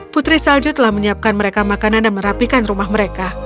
putri salju telah menyiapkan mereka makanan dan merapikan rumah mereka